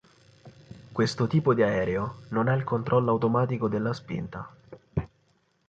Questo tipo di aereo non ha il controllo automatico della spinta.